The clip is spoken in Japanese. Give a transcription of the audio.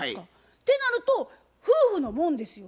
ってなると夫婦のもんですよ。